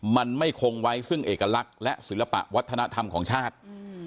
มันไม่คงไว้ซึ่งเอกลักษณ์และศิลปะวัฒนธรรมของชาติ